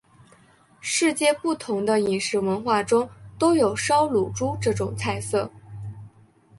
世界不同的饮食文化中都有烧乳猪这种菜色。